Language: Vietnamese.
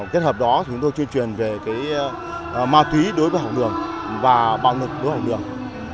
kết hợp đó thì chúng tôi truyền truyền về cái ma túy đối với hậu lượng và bạo lực đối với hậu lượng